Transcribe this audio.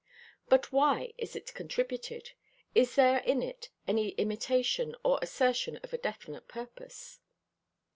But why is it contributed? Is there in it any intimation or assertion of a definite purpose?